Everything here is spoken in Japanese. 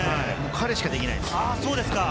彼しかできないです。